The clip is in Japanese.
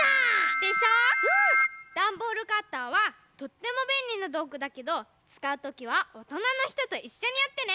ダンボールカッターはとってもべんりなどうぐだけどつかうときはおとなのひとといっしょにやってね！